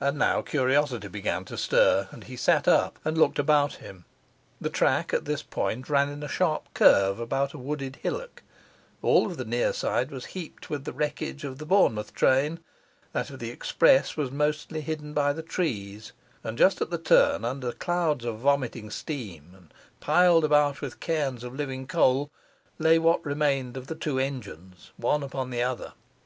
And now curiosity began to stir, and he sat up and looked about him. The track at this point ran in a sharp curve about a wooded hillock; all of the near side was heaped with the wreckage of the Bournemouth train; that of the express was mostly hidden by the trees; and just at the turn, under clouds of vomiting steam and piled about with cairns of living coal, lay what remained of the two engines, one upon the other.